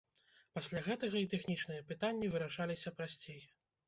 Пасля гэтага і тэхнічныя пытанні вырашаліся прасцей.